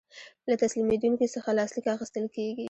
له تسلیمیدونکي څخه لاسلیک اخیستل کیږي.